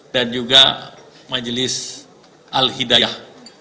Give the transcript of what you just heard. dan juga majelis al hidayah